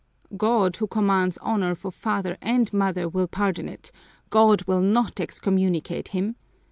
"God, who commands honor for father and mother, will pardon it, God will not excommunicate him!